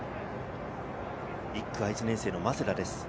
１区は１年生の間瀬田です。